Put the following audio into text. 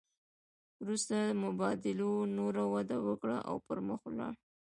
وروسته مبادلو نوره وده وکړه او پرمخ ولاړې